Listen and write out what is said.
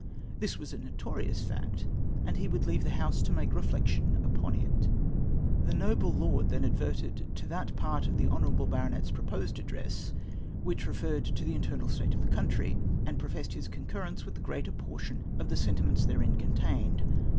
This was a notorious fact, and he would leave tlie House to make reflections upon it. " The noble lord then adverted to that part of the honour able baronet's proposed address, which referred to the internal state of the country, and professed his concurrence with the greater . portion of the sentiments therein contained.